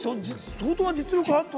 相当な実力があると。